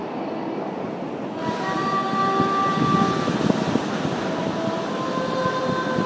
「我が心の」